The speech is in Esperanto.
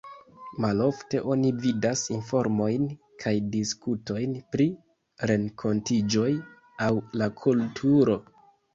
Malofte oni vidas informojn kaj diskutojn pri renkontiĝoj aŭ la kulturo.